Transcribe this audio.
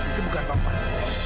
itu bukan bapak